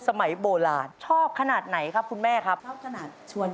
ช้ามาร้าชวนคุณแม่ไปอายุทยาบ่อยอะ